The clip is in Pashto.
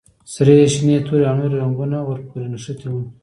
سرې، شنې، تورې او نورې رنګونه ور پورې نښتي وو.